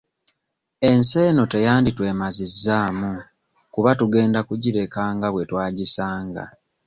Ensi eno teyanditwemazizaamu kuba tugenda kugireka nga bwe twagisanga.